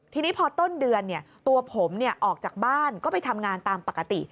ทีนี้พอต้นเดือนตัวผมออกจากบ้านก็ไปทำงานตามปกติ